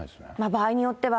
場合によっては。